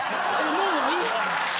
もうない？